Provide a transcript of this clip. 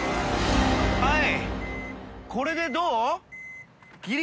はい！